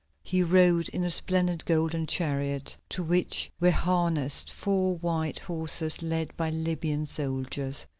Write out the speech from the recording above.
He rode in a splendid golden chariot, to which were harnessed four white horses led by Libyan soldiers.